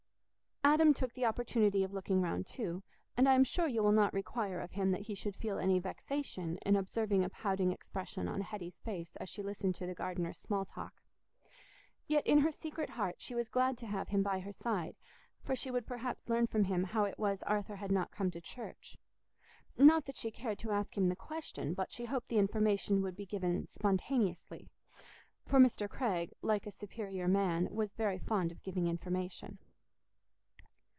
Adam took the opportunity of looking round too; and I am sure you will not require of him that he should feel any vexation in observing a pouting expression on Hetty's face as she listened to the gardener's small talk. Yet in her secret heart she was glad to have him by her side, for she would perhaps learn from him how it was Arthur had not come to church. Not that she cared to ask him the question, but she hoped the information would be given spontaneously; for Mr. Craig, like a superior man, was very fond of giving information.